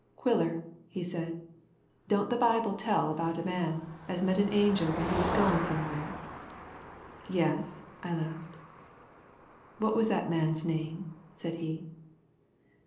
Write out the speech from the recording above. "Quiller," he said, "don't the Bible tell about a man that met an angel when he was a goin' somewhere?" "Yes," I laughed. "What was that man's name?" said he.